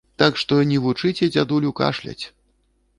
Так што не вучыце дзядулю кашляць!